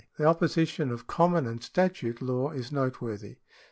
* The opposi tion of common and statute law is noteworthy.